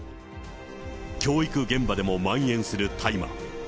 教育現場でもまん延する大麻。